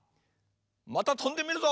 またとんでみるぞ！